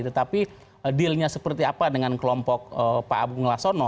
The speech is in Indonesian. tetapi dealnya seperti apa dengan kelompok pak abu nglasono